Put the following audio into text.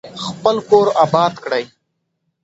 خپل کور اباد کړئ.